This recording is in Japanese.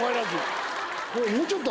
もうちょっと。